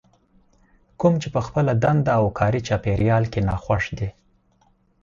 کوم چې په خپله دنده او کاري چاپېريال کې ناخوښ دي.